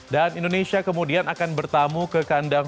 dan indonesia kemudian akan bertamu ke kandang